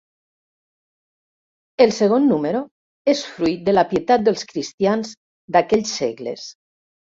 El segon número és fruit de la pietat dels cristians d'aquells segles.